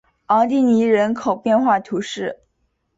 昂蒂尼人口变化图示